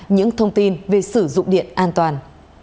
những thông tin về sử dụng điện an toàn